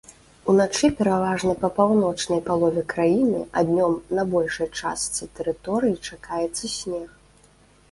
Уначы пераважна па паўночнай палове краіны, а днём на большай частцы тэрыторыі чакаецца снег.